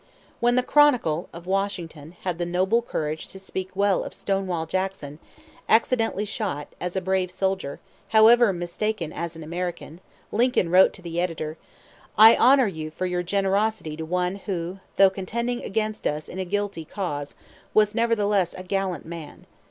When the Chronicle, of Washington, had the noble courage to speak well of "Stonewall" Jackson, accidentally shot, as a brave soldier, however mistaken as an American, Lincoln wrote to the editor: "I honor you for your generosity to one who, though contending against us in a guilty cause, was nevertheless a gallant man.